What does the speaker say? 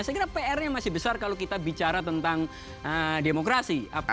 saya kira pr nya masih besar kalau kita bicara tentang demokrasi